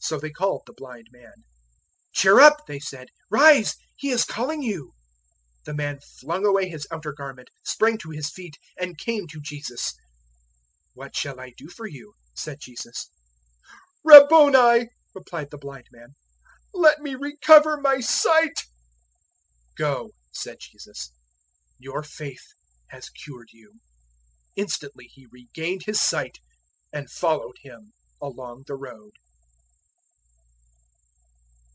So they called the blind man. "Cheer up," they said; "rise, he is calling you." 010:050 The man flung away his outer garment, sprang to his feet, and came to Jesus. 010:051 "What shall I do for you?" said Jesus. "Rabboni," replied the blind man, "let me recover my sight." 010:052 "Go," said Jesus, "your faith has cured you." Instantly he regained his sight, and followed Him along the road.